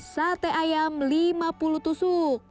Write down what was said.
sate ayam lima puluh tusuk